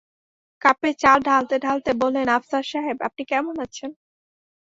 কাপে চা ঢালতেঢালতে বললেন, আফসার সাহেব, আপনি কেমন আছেন?